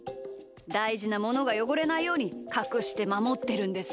だいじなものがよごれないようにかくしてまもってるんです。